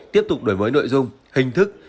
tiếp tục đổi mới nội dung hình thức